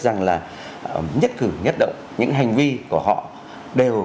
rằng là nhất cử nhất động những hành vi của họ đều